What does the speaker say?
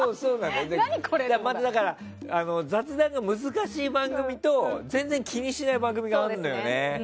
雑談が難しい番組と全然気にしない番組があるのよね。